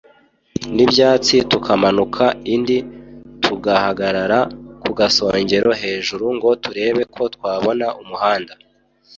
nibyatsi tukamanuka indi, tugahagarara kugasongere hejuru ngo turebe ko twabona umuhanda